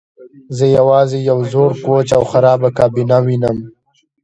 زه یوازې یو زوړ کوچ او خرابه کابینه وینم